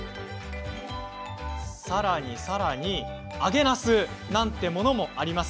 さらに揚げなすなんてものもあります。